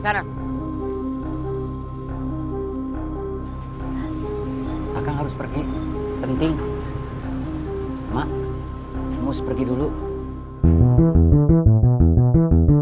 saya udah nyampe rumah